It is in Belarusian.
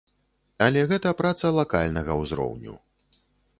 Але гэта праца лакальнага ўзроўню.